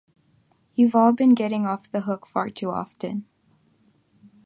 You’ve all been getting off the hook far too often.